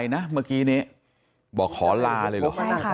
นี่นะครับ